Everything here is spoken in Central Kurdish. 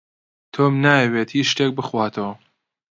تۆم نایەوێت هێچ شتێک بخواتەوە.